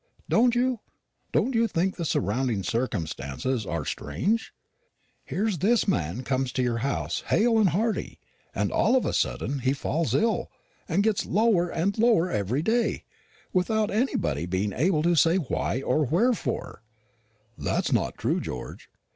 "Don't you? Don't you think the surrounding circumstances are strange? Here is this man comes to your house hale and hearty; and all of a sudden he falls ill, and gets lower and lower every day, without anybody being able to say why or wherefore." "That's not true, George.